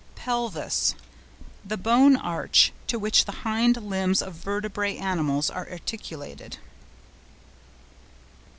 PELVIS.—The bony arch to which the hind limbs of vertebrate animals are articulated.